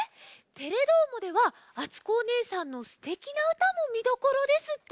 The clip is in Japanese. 「テレどーも！」ではあつこおねえさんのすてきなうたもみどころですって？